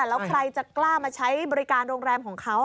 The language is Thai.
แล้วใครจะกล้ามาใช้บริการโรงแรมของเขา